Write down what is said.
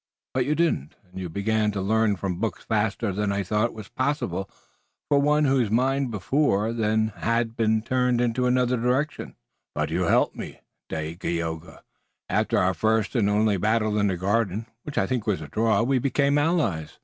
But you didn't, and you began to learn from books faster than I thought was possible for one whose mind before then had been turned in another direction." "But you helped me, Dagaeoga. After our first and only battle in the garden, which I think was a draw, we became allies."